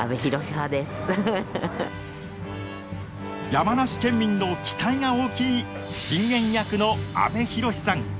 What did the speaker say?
山梨県民の期待が大きい信玄役の阿部寛さん。